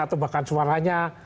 atau bahkan suaranya